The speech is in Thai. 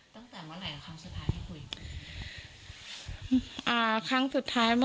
ตั้งแต่เมื่อไหนครั้งสุดท้ายที่คุย